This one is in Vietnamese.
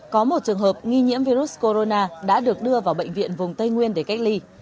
có một trường hợp nghi nhiễm virus corona đã được đưa vào bệnh viện vùng tây nguyên để cách ly